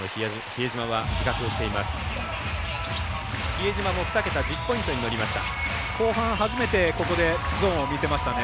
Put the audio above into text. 比江島も２桁１０ポイントに乗りました。